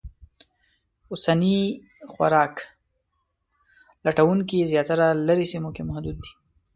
اوسني خوراک لټونکي زیاتره لرې سیمو کې محدود دي.